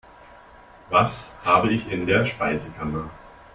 Was habe ich in der Speisekammer?